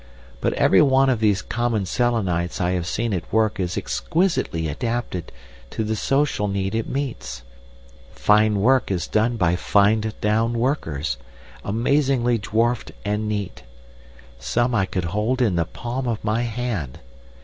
But every one of these common Selenites I have seen at work is exquisitely adapted to the social need it meets. Fine work is done by fined down workers, amazingly dwarfed and neat. Some I could hold on the palm of my hand.